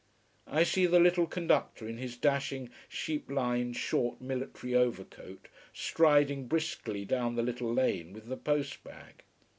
I see the little conductor in his dashing, sheep lined, short military overcoat striding briskly down the little lane with the post bag.